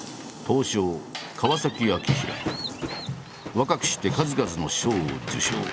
若くして数々の賞を受賞。